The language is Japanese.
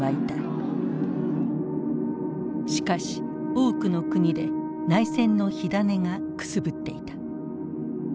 しかし多くの国で内戦の火種がくすぶっていた。